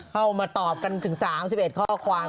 เข้ามาตอบกันถึง๓๑ข้อความ